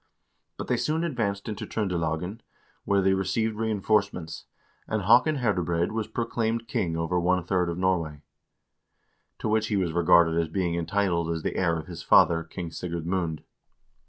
But they soon advanced into Tr0ndelagen, where they received reinforcements, and Haakon Herdebreid was pro claimed king over one third of Norway, to which he was regarded as being entitled as the heir of his father, King Sigurd Mund.